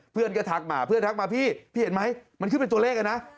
เพื่อนก็ทักมาเพื่อนทักมาพี่พี่เห็นไหมมันขึ้นเป็นตัวเลขนะ